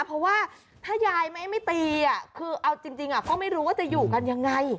เพราะว่าถ้ายายไม่ตีคือเอาจริงก็ไม่รู้ว่าจะอยู่กันยังไง